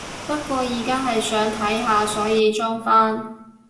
不過而家係想睇下，所以裝返